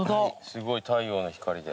すごい太陽の光で。